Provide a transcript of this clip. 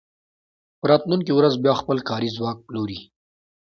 په راتلونکې ورځ بیا خپل کاري ځواک پلوري